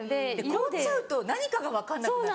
凍っちゃうと何かが分かんなくなるよね。